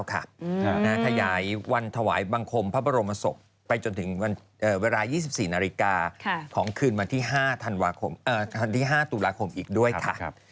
ขยายวันถวายบังคมพระบรมศพไปจนถึงเวลา๒๔นาฬิกาของคืนวันที่๕ธันวาคมที่๕ตุลาคมอีกด้วยค่ะ